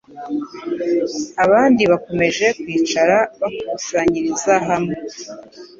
abandi bakomeje kwicara bakusanyiriza hamwe